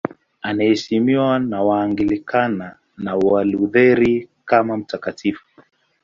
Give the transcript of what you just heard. Anaheshimiwa na Waanglikana na Walutheri kama mtakatifu.